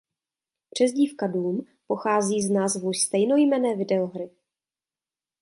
Přezdívka Doom pochází z názvu stejnojmenné videohry.